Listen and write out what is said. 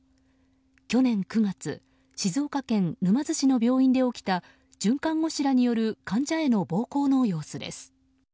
去年９月静岡県沼津市の病院で起きた准看護師らによる患者への暴行の様子です。